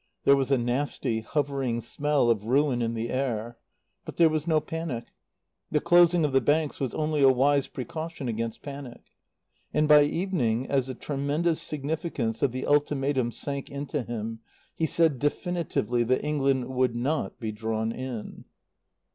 There was a nasty, hovering smell of ruin in the air. But there was no panic. The closing of the Banks was only a wise precaution against panic. And by evening, as the tremendous significance of the ultimatum sank into him, he said definitively that England would not be drawn in.